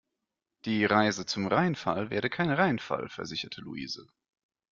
Die Reise zum Rheinfall werde kein Reinfall, versicherte Louise.